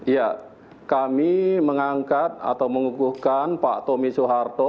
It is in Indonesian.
ya kami mengangkat atau mengukuhkan pak tommy soeharto